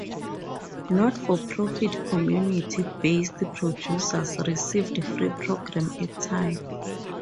Not-for-profit community based producers received free program airtime.